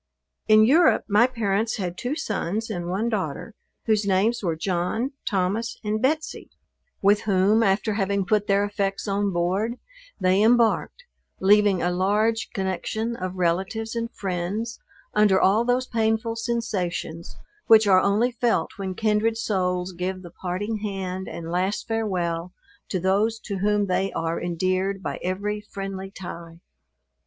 In Europe my parents had two sons and one daughter, whose names were John, Thomas and Betsey; with whom, after having put their effects on board, they embarked, leaving a large connexion of relatives and friends, under all those painful sensations, which are only felt when kindred souls give the parting hand and last farewell to those to whom they are endeared by every friendly tie.